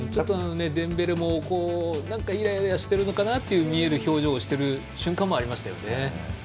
デンベレもイライラしているのかなと見える表情をしている瞬間もありましたね。